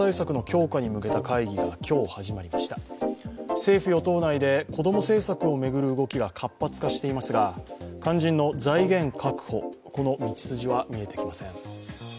政府・与党内で、子供政策を巡る動きが活発化していますが肝心の財源確保、この道筋は見えていません。